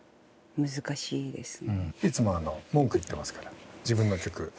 いつも文句言ってますから自分の曲。